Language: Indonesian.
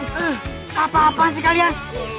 eh apa apaan sih kalian